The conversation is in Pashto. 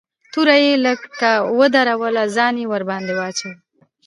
توره يې لکه ودروله ځان يې ورباندې واچاوه.